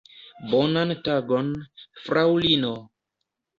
Bonan tagon, fraŭlino!